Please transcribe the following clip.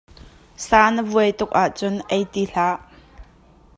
Sa na vuai tuk ahcun ei ti hlah.